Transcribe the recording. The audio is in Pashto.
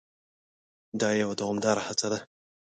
دا یوه دوامداره هڅه ده.